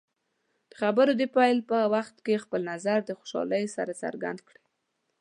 د خبرو د پیل په وخت کې خپل نظر د خوشحالۍ سره څرګند کړئ.